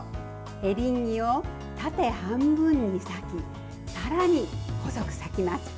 エリンギを縦半分に裂きさらに細く裂きます。